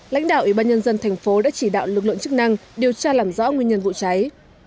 lãnh đạo ủy ban nhân dân thành phố đã chỉ đạo lực lượng chức năng điều tra làm rõ nguyên nhân vụ cháy